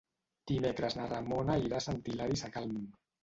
Dimecres na Ramona irà a Sant Hilari Sacalm.